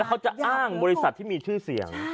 เขาจะอ้างบริษัทที่มีชื่อเสียง